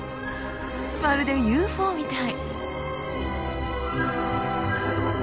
まるでＵＦＯみたい！